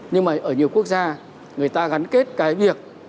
nhưng mà ở nhiều quốc gia người ta gắn kết cái việc